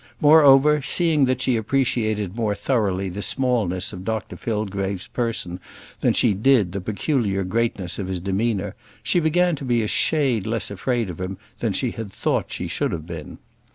Moreover, seeing that she appreciated more thoroughly the smallness of Dr Fillgrave's person than she did the peculiar greatness of his demeanour, she began to be a shade less afraid of him than she had thought she should have been.